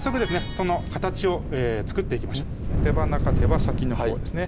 その形を作っていきましょう手羽中手羽先のほうですね